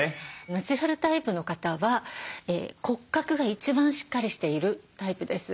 ナチュラルタイプの方は骨格が一番しっかりしているタイプです。